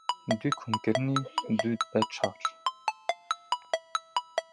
Dû komkirinî dû dibe çar